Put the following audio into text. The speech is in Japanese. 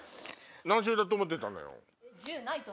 何周だと思ってたのよ？